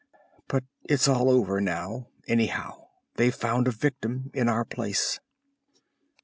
But it's all over now anyhow. They've found a victim in our place!"